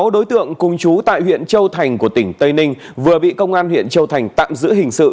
sáu đối tượng cùng chú tại huyện châu thành của tỉnh tây ninh vừa bị công an huyện châu thành tạm giữ hình sự